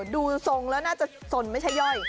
ดูทรงแล้วน่าจะสนไม่ใช่ย่อย